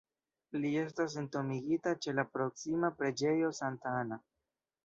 Li estas entombigita ĉe la proksima Preĝejo Sankta Anna.